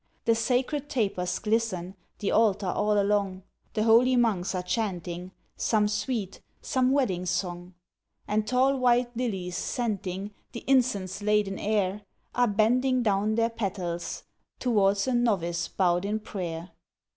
The sacred tapers glisten The Altar all along; The holy Monks are chanting Some sweet—some wedding song! And tall white lilies, scenting The Incense laden air, Are bending down their petals, T'wards a novice bow'd in prayer.